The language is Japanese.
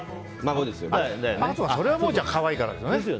それはもう可愛いからですよね。